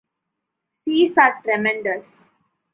Seas are tremendous.